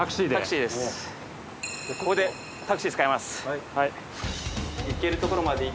ここでタクシー使います。